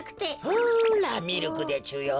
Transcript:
ほらミルクでちゅよ。